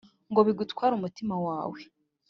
Ngo bigutware umutima wawe